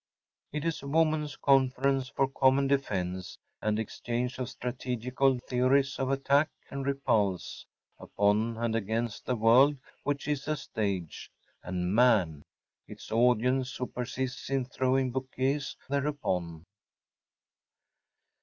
It is Woman’s Conference for Common Defense and Exchange of Strategical Theories of Attack and Repulse upon and against the World, which is a Stage, and Man, its Audience who Persists in Throwing Bouquets Thereupon.